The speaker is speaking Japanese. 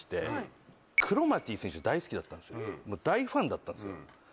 大ファンだったんですよ。